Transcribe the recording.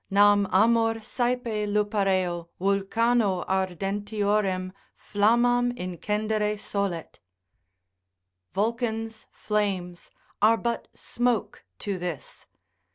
———Nam amor saepe Lypareo Vulcano ardentiorem flammam incendere solet. Vulcan's flames are but smoke to this.